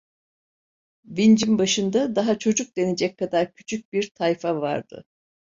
Vincin başında daha çocuk denecek kadar küçük bir tayfa vardı.